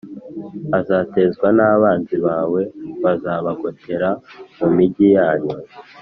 azatezwa n’abanzi bawe bazabagotera mu migi yanyu